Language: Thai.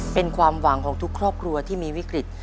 เป็นความหวังของทุกครอบครัวที่มีวิกฤต